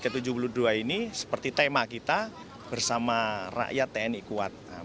ke tujuh puluh dua ini seperti tema kita bersama rakyat tni kuat